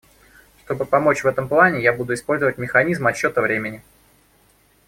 Чтобы помочь в этом плане, я буду использовать механизм отсчета времени.